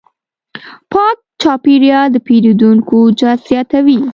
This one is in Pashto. پاک چاپېریال د پیرودونکو جذب زیاتوي.